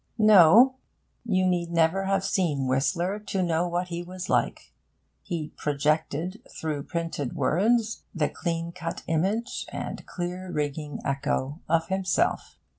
No! you need never have seen Whistler to know what he was like. He projected through printed words the clean cut image and clear ringing echo of himself.